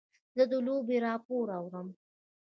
زه د لوبې راپور اورم.